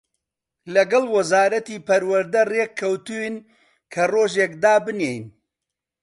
لەگەڵ وەزارەتی پەروەردە ڕێک کەوتووین کە ڕۆژێک دابنێین